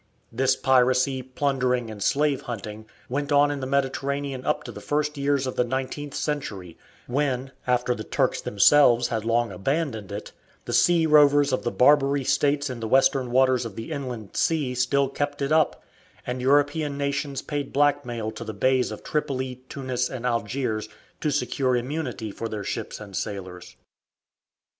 This piracy, plundering, and slave hunting went on in the Mediterranean up to the first years of the nineteenth century, when, after the Turks themselves had long abandoned it, the sea rovers of the Barbary States in the western waters of the inland sea still kept it up, and European nations paid blackmail to the Beys of Tripoli, Tunis, and Algiers to secure immunity for their ships and sailors.